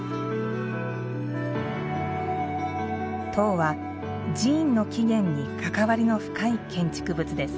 塔は、寺院の起源に関わりの深い建築物です。